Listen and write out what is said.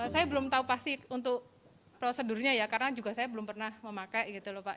saya belum tahu pasti untuk prosedurnya ya karena juga saya belum pernah memakai gitu loh pak